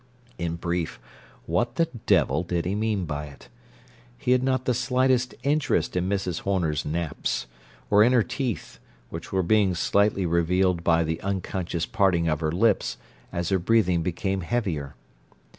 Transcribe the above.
In brief: What the devil did he mean by it? He had not the slightest interest in Mrs. Horner's naps—or in her teeth, which were being slightly revealed by the unconscious parting of her lips, as her breathing became heavier.